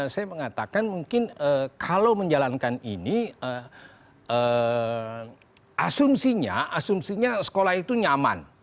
saya mengatakan mungkin kalau menjalankan ini asumsinya asumsinya sekolah itu nyaman